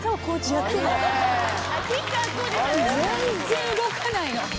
全然動かないの。